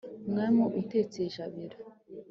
mwami utetse i jabiro